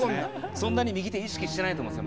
そんなに右手意識してないと思うんですよ